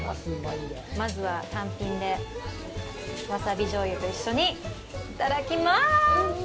まずは単品で、ワサビじょうゆと一緒にいただきます！